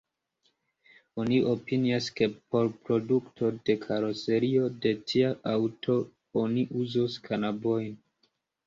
Oni opinias, ke por produkto de karoserio de tia aŭto oni uzos kanabojn.